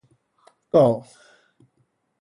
鈷